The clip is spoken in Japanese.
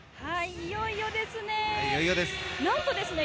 いよいよですね。